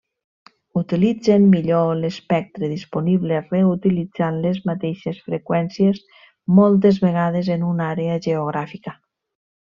Utilitzen millor l’espectre disponible reutilitzant les mateixes freqüències moltes vegades en una àrea geogràfica.